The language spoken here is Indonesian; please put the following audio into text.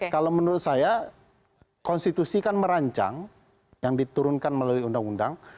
kalau menurut saya konstitusi kan merancang yang diturunkan melalui undang undang